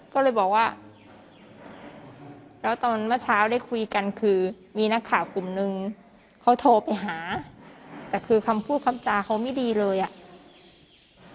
ก็เลยบอกว่าแล้วตอนเมื่อเช้าได้คุยกันคือมีนักข่าวกลุ่มนึงเขาโทรไปหาแต่คือคำพูดคำจาเขาไม่ดีเลยอ่ะ